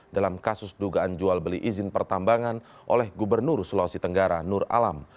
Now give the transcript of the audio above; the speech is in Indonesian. dalam kasus dugaan jual beli izin pertambangan oleh gubernur sulawesi tenggara nur alam